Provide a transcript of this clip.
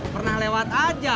pernah lewat aja